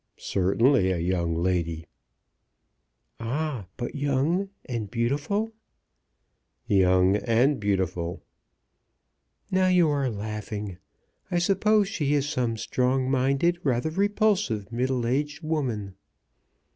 "Certainly a young lady." "Ah, but young, and beautiful?" "Young, and beautiful." "Now you are laughing. I suppose she is some strong minded, rather repulsive, middle aged woman."